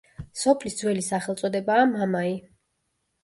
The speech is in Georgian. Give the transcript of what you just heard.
სოფლის ძველი სახელწოდებაა მამაი.